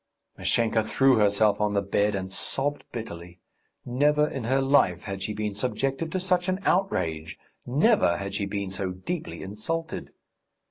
Mashenka threw herself on the bed and sobbed bitterly. Never in her life had she been subjected to such an outrage, never had she been so deeply insulted....